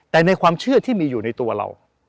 แต่ในความเชื่อที่มีอยู่ในตัวเรา